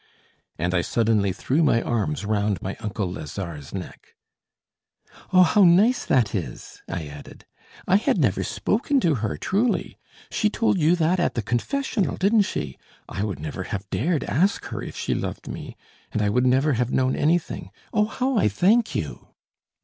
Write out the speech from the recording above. And I suddenly threw my arms round my uncle Lazare's neck. "Oh! how nice that is!" I added. "I had never spoken to her, truly. She told you that at the confessional, didn't she? I would never have dared ask her if she loved me, and I would never have known anything. Oh! how I thank you!"